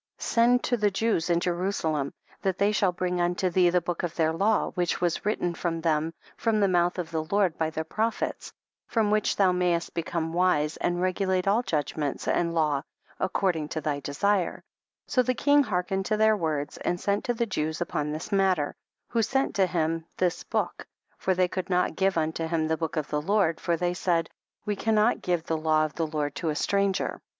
Send to the Jews in Jerusalem that they shall bring unto thee the book of their law which was written for them from the mouth of the Lord by their Prophets, from which thou mayest become wise, and regulate all judgments and laws ac cording to thy desire ; so the king hearkened to their words, and sent to the Jews upon this matter, who sent to him this book, for they could not give unto him the book of the Lord, for they said, we cannot give the law * See same expression, Isaiah 22. 17. HEBREW PREFACE. XVII of the Lord to a stranger.